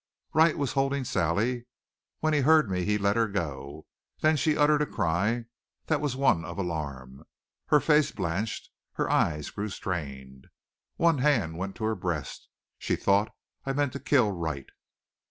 Wright was holding Sally. When he heard me he let her go. Then she uttered a cry that was one of alarm. Her face blanched; her eyes grew strained. One hand went to her breast. She thought I meant to kill Wright.